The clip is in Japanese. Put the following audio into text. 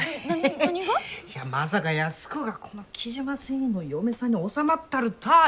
いやまさか安子がこの雉真繊維の嫁さんにおさまっとるたあ